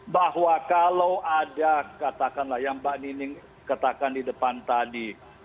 bahwa kalau ada katakanlah yang mbak nining katakan di depan tadi